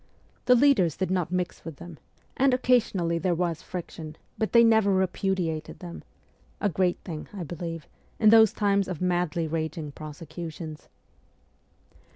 The leaders did not mix with them, and occasionally there was friction, but they never repudiated them a great thing, I believe, in those times of madly raging prosecutions.